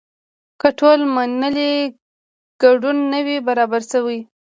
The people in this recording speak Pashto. که ټول منلی ګډون نه وي برابر شوی.